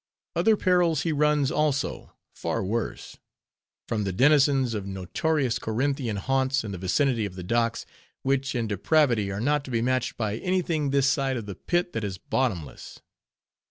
Other perils he runs, also, far worse; from the denizens of notorious Corinthian haunts in the vicinity of the docks, which in depravity are not to be matched by any thing this side of the pit that is bottomless.